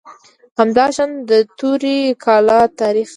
همداشان د توري کلا تاریخي